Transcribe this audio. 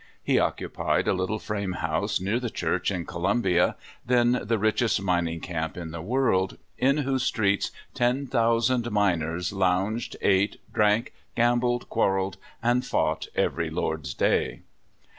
He occupied a little frame house near the church in Columbia, then the rich est minmg camp in the world, in whose streets ten thousand miners lounged, ate, drank, gambled, quarreled, and fought every Lord's day.